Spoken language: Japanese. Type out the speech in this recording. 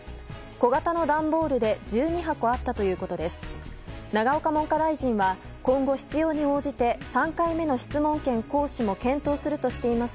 小型の段ボールで１２箱あったということです。